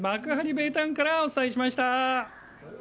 ベイタウンからお伝えしました。